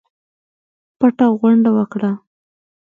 پټه غونډه وکړه.